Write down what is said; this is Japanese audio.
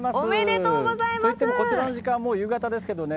といっても、こちらの時間、もう夕方ですけどね。